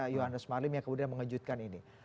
yohannes marlim yang kemudian mengejutkan ini